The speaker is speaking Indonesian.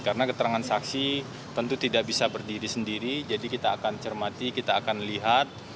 karena keterangan saksi tentu tidak bisa berdiri sendiri jadi kita akan cermati kita akan lihat